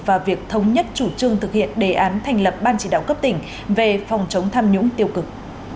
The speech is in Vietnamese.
và việc thống nhất chủ trương thực hiện đề án thành lập ban chỉ đạo cấp tỉnh về phòng chống tham nhũng tiêu cực